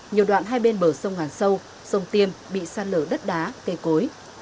nhiều đoạn hai bên bờ sông hàn sâu sông tiêm bị sạt lở đất đá tê cối